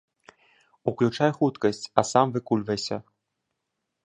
Уключай хуткасць, а сам выкульвайся.